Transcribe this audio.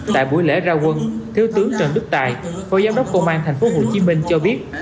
tại buổi lễ ra quân thiếu tướng trần đức tài phó giám đốc công an tp hcm cho biết